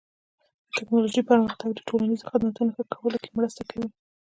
د ټکنالوژۍ پرمختګ د ټولنیزو خدمتونو ښه کولو کې مرسته کوي.